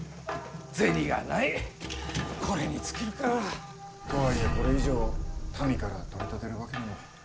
銭がないこれに尽きるか。とはいえこれ以上民から取り立てるわけにも。